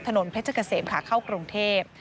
ถนนเพชรเกษมขาเข้ากรุงเทพ